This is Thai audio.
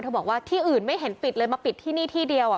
บอกว่าที่อื่นไม่เห็นปิดเลยมาปิดที่นี่ที่เดียว